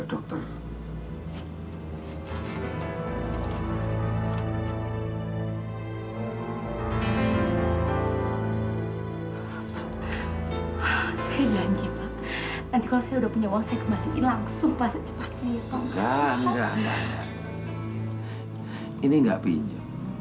ini obatnya pak